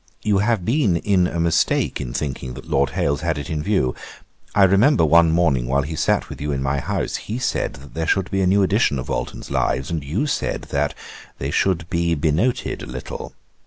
You have been in a mistake in thinking that Lord Hailes had it in view. I remember one morning, while he sat with you in my house, he said, that there should be a new edition of Walton's Lives; and you said that "they should be benoted a little."